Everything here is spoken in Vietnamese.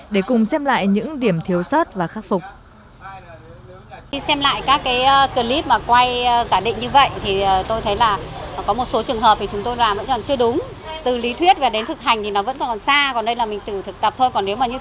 để cùng xem lại những điểm thiếu sót và khắc phục